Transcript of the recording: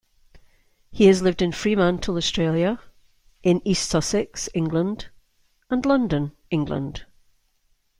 He has lived in Fremantle, Australia; in East Sussex, England; and London, England.